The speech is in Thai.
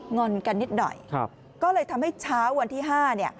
อนกันนิดหน่อยก็เลยทำให้เช้าวันที่๕เนี่ย